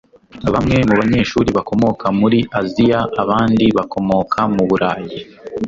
bamwe mu banyeshuri bakomoka muri aziya abandi bakomoka mu burayi